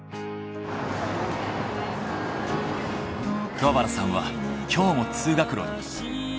桑原さんは今日も通学路に。